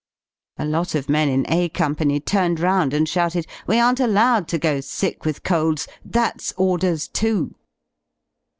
A lot of men in A Company turned round and shouted: "We aren't allowed to go sick with golds. That's orders, too!"